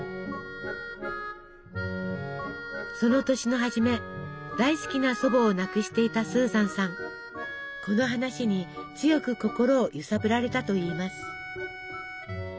その年の初め大好きな祖母を亡くしていたこの話に強く心を揺さぶられたといいます。